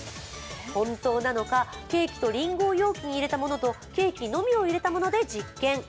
本当なのか、ケーキとりんごを容器に入れたものとケーキのみを入れたもので実験。